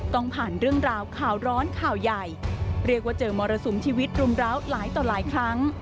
ต้องผ่านเรื่องราวข่าวร้อนข่าวใหญ่เรียกว่าเจอมรสุมชีวิตรุมร้าวหลายต่อหลายครั้ง